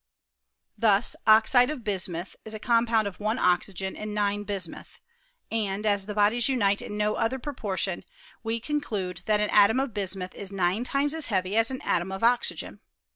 Thus oxide of bismuth is a compound of 1 oxygen and 9 bismuth ; and, as the bodies unite in no other proportion, we conclude that an atom of bismuth is nine times as heavy as an atom of oxygen.